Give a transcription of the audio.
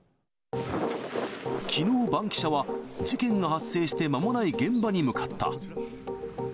きのう、バンキシャは、事件が発生して間もない現場に向かった。